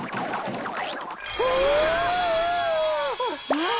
うん？